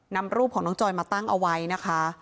นำรูปของน้องจอยมาตั้งเอาไว้นะคะ